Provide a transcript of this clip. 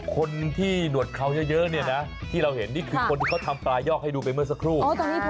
คนที่หนวดเขาเยอะเนี่ยนะที่เราเห็นนี่คือคนที่เขาทำปลายอกให้ดูไปเมื่อสักครู่